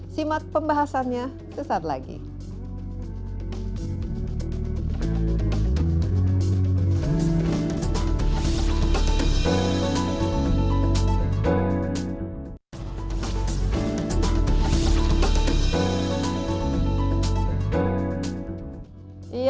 simak pembahasannya sesaat lagi